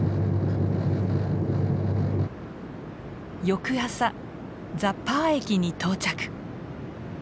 翌朝ザ・パー駅に到着。